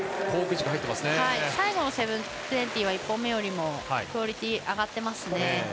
最後の７２０は１本目よりもクオリティーが上がっていますね。